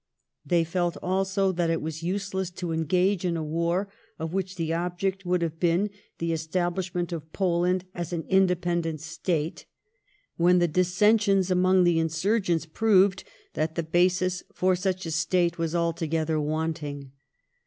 They felt, also, that it was useless to engage in a war of which the object would have been the establishment of Poland as an independent State, when the dissensions among the insurgents proved that the basis for such a State was altogether wanting.